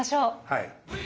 はい。